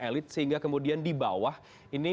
elit sehingga kemudian di bawah ini